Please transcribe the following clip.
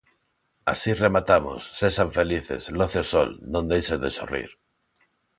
Así rematamos, sexan felices, loce o sol, non deixen de sorrir.